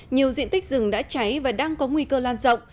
nhiều diện tích rừng đã cháy và đang có nguy cơ lan rộng